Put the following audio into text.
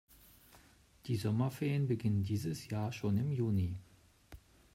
Die Sommerferien beginnen dieses Jahr schon im Juni.